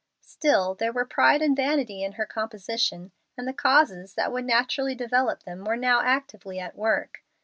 Still there were pride and vanity in her composition, and the causes that would naturally develop them were now actively at work.